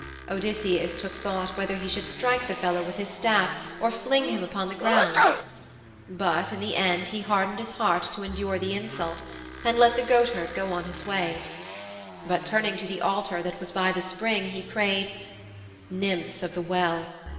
Odysseus took thought whether he should strike the fellow with his staff or fling him upon the ground. But in the end he hardened his heart to endure the insult, and let the goatherd go on his way. But turning to the altar that was by the spring, he prayed: 'Nymphs of the Well!